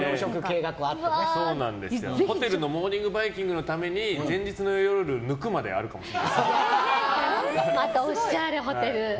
ホテルのモーニングバイキングのために前日の夜を抜くまであるかもしれない。